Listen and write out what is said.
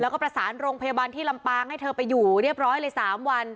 แล้วก็ประสานโรงพยาบาลที่ลำปางให้เธอไปอยู่เรียบร้อยเลย๓วัน